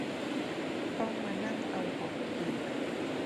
ต้องมานั่งเอาออกอีก